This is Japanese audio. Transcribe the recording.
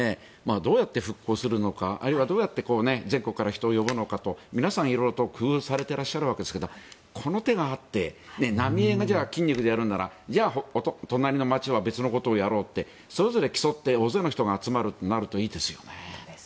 どうやって復興するのかどうやって全国から人を呼ぶのかと皆さん工夫されていらっしゃるわけですがこの手があって浪江は筋肉でやるのであればじゃあ隣の町は別のことをやろうとそれぞれ競って大勢の人が集まるとなるといいですよね。